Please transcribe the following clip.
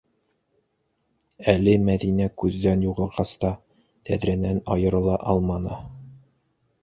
Әле Мәҙинә күҙҙән юғалғас та тәҙрәнән айырыла алманы.